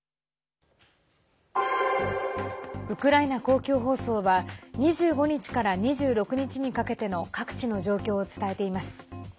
ウクライナ公共放送は２５日から２６日にかけての各地の状況を伝えています。